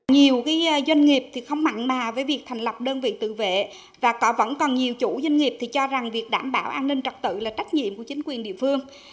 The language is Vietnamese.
nhiều doanh nghiệp không mặn mà với việc thành lập đơn vị tự vệ và vẫn còn nhiều chủ doanh nghiệp thì cho rằng việc đảm bảo an ninh trật tự là trách nhiệm của chính quyền địa phương